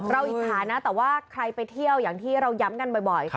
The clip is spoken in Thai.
อิจฉานะแต่ว่าใครไปเที่ยวอย่างที่เราย้ำกันบ่อย